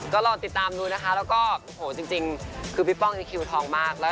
ก็ลองติดตามดูนะคะแล้วก็โอ้โหจริงคือพี่ป้องนี่คิวทองมาก